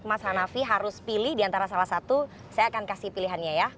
mas hanafi harus pilih diantara salah satu saya akan kasih pilihannya ya